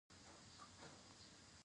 افغانستان د رسوب له مخې پېژندل کېږي.